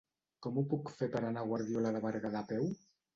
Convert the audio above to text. Com ho puc fer per anar a Guardiola de Berguedà a peu?